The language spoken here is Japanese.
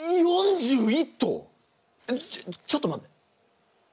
ちょっと待て。